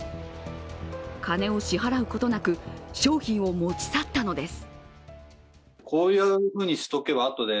金を支払うことなく、商品を持ち去ったのです。